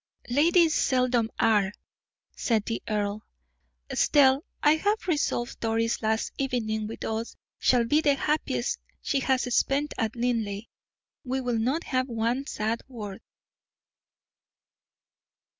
"Ladies seldom are," said the earl. "Estelle, I have resolved Doris' last evening with us shall be the happiest she has spent at Linleigh. We will not have one sad word."